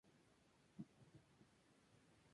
Waylon estuvo de acuerdo y le cedió su asiento.